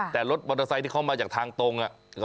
แต่รถมอเตอร์ไซค์ที่เขามาจากทางตรง